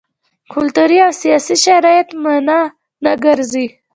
کلتوري او سیاسي شرایط مانع نه ګرځي.